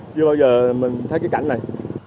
chưa bao giờ mình thấy cái cảnh này